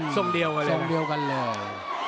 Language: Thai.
สมเดียวกันเลย